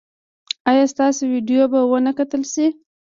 ایا ستاسو ویډیو به و نه کتل شي؟